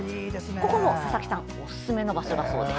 ここも佐々木さんおすすめの場所だそうです。